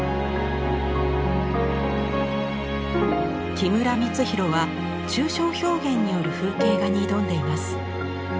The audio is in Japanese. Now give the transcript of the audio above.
木村光宏は抽象表現による風景画に挑んでいます。